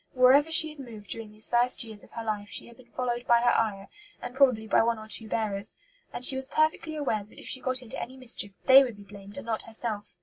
Wherever she had moved during these first years of her life she had been followed by her ayah, and probably by one or two bearers, and she was perfectly aware that if she got into any mischief they would be blamed and not herself.